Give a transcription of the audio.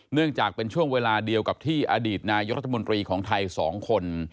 เนื่องจากเป็นช่วงเวลาเดียวกับที่อดีตนายกรัฐมนตรีของไทย๒คน